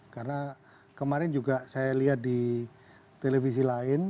karena kemarin juga saya lihat di televisi lain